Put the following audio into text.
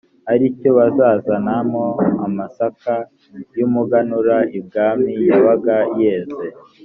ari cyo bazazanamo amasaka y umuganura ibwami yabaga yeze